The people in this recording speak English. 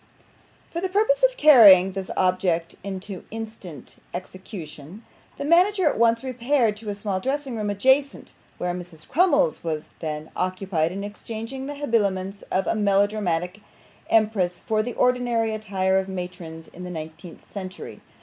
For the purpose of carrying this object into instant execution, the manager at once repaired to a small dressing room, adjacent, where Mrs. Crummles was then occupied in exchanging the habiliments of a melodramatic empress for the ordinary attire of matrons in the nineteenth century.